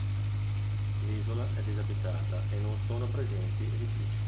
L'isola è disabitata e non sono presenti edifici.